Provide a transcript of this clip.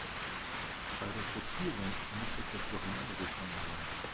Bei der Sortierung muss etwas durcheinander gekommen sein.